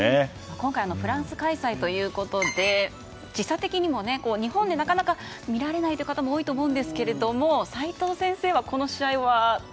今回フランス開催ということで時差的にも日本でなかなか見られないという方も多いと思うんですが、齋藤先生はこの試合は。